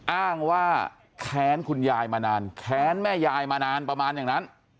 อ้างว่าแค้นคุณยายมานานแค้นแม่ยายมานานประมาณอย่างนั้น